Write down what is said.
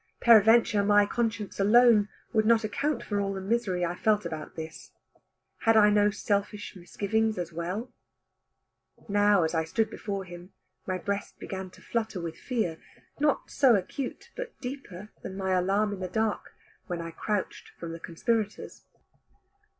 Peradventure my conscience alone would not account for all the misery I felt about this. Had I no selfish misgivings as well? Now as I stood before him, my breast began to flutter with fear, not so acute, but deeper than my alarm in the dark, when I crouched from the conspirators.